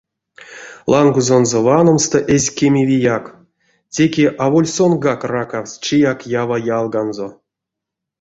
Лангозонзо ваномсто эзь кемевеяк: теке аволь сонгак ракавтсь чияк ава ялганзо.